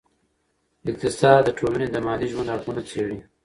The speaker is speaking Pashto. اقتصاد د ټولني د مادي ژوند اړخونه څېړي.